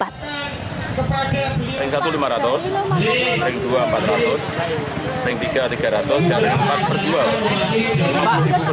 ring satu lima ratus ring dua empat ratus ring tiga tiga ratus dan ring empat perjual